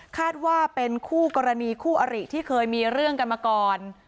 คาดว่าเป็นคู่กรณีคู่อริที่เคยมีเรื่องกันมาก่อน